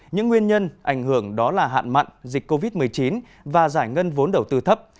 những nguyên nhân ảnh hưởng đó là hạn mặn dịch covid một mươi chín và giải ngân vốn đầu tư thấp